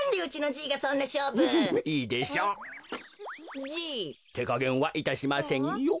じい？てかげんはいたしませんよ。